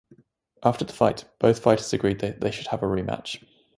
After the fight, both fighters agreed that they should have a rematch.